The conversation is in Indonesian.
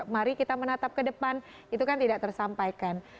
mari kita menatap ke depan itu kan tidak tersampaikan